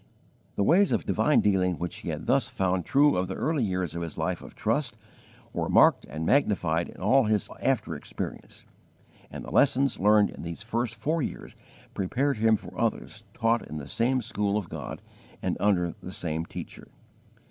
* The ways of divine dealing which he had thus found true of the early years of his life of trust were marked and magnified in all his after experience, and the lessons learned in these first four years prepared him for others taught in the same school of God and under the same Teacher.